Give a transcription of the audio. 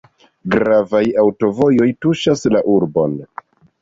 Gravaj aŭtovojoj tuŝas la urbon.